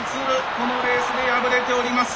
このレースで敗れております。